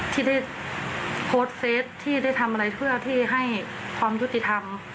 ที่ได้โพสต์เฟสที่ได้ทำอะไรเพื่อที่ให้ความยุติธรรม